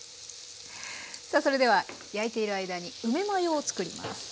さあそれでは焼いている間に梅マヨを作ります。